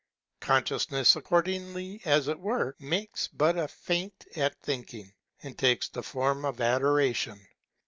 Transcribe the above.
Consciousness accordingly as it were makes but a feint at thinking, and takes the form of Adoration.